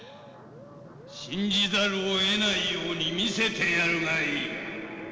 「信じざるをえないように見せてやるがいい」。